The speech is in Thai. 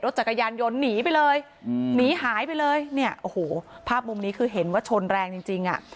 รถจักรยานยนต์หนีไปเลยหนีหายไปเลยภาพมุมนี้คือเห็นว่าชนแรงจริง